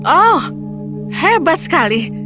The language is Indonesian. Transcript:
oh hebat sekali